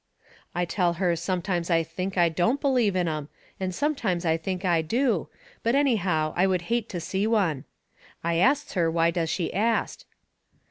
I tell her sometimes I think I don't believe in 'em, and sometimes I think I do, but anyhow I would hate to see one. I asts her why does she ast.